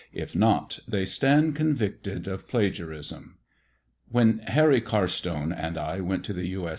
If not, they stand convicted of plagiarism. When Harry Carstone and I went to the TJ. S.